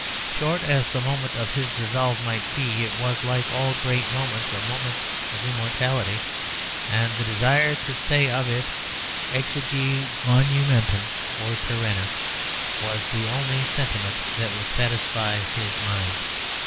Short as the moment of his resolve might be, it was, like all great moments, a moment of immortality, and the desire to say of it exegi monumentum oere perennius was the only sentiment that would satisfy his mind.